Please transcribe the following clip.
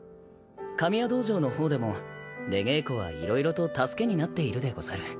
神谷道場の方でも出稽古は色々と助けになっているでござる。